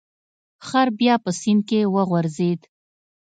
خر بیا په سیند کې وغورځید.